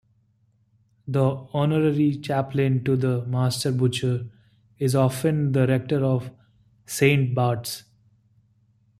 The Honorary Chaplain to the Master Butcher is often the Rector of Saint Barts.